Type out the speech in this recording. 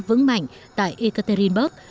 vững mạnh tại ekaterinburg